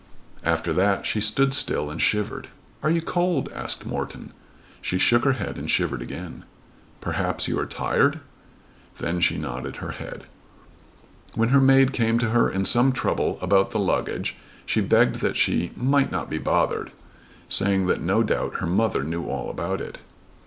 After that she stood still and shivered. "Are you cold?" asked Morton. She shook her head and shivered again. "Perhaps you are tired?" Then she nodded her head. When her maid came to her in some trouble about the luggage, she begged that she might not be "bothered;" saying that no doubt her mother knew all about it.